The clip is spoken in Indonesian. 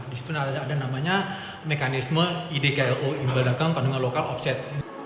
di situ ada namanya mekanisme idklo imbal dagang kandungan lokal offset